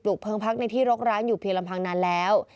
ปลุกเพิงพักในที่รกร้านอยู่เพียรภังนานแล้ว